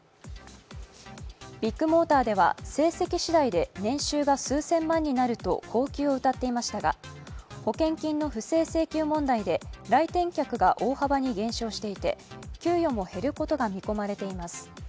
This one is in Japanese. ビッグモーターでは成績次第で年収が数千万になると高給をうたっていましたが、保険金の不正請求問題で来店客が大幅に減少していて給与も減ることが見込まれています。